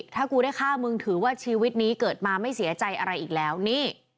ถ้ากูได้ฆ่ามึงถือว่าชีวิตนี้เกิดมาไม่เสียใจอะไรอีกแล้วนี่